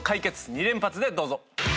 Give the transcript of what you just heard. ２連発でどうぞ。